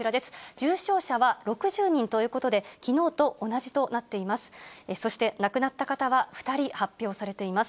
重症者は６０人ということで、きのうと同じとなっています。